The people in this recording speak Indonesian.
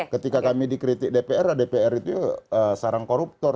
ketika kami dikritik dpr dpr itu sarang koruptor